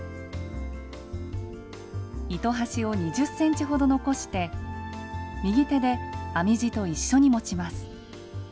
糸端を２０ｃｍほど残して右手で編み地と一緒に持ちます。